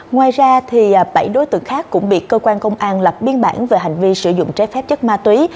ngoài ra bảy đối tượng khác cũng bị cơ quan công an lập biên bản về hành vi sử dụng trái phép chất ma túy